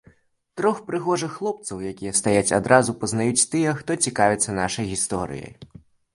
Трох прыгожых хлопцаў, якія стаяць, адразу пазнаюць тыя, хто цікавіцца нашай гісторыяй.